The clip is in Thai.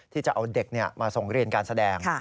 ที่จะเอาเด็กมาส่งเรียนการแสดง